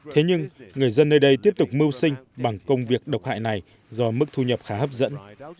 thế nhưng người dân nơi đây tiếp tục mưu sinh bằng công việc độc hại này do mức thu nhập khá hấp dẫn